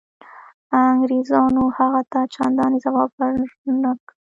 انګرېزانو هغه ته چنداني ځواب ورنه کړ.